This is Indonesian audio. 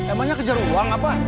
emangnya kejar uang apa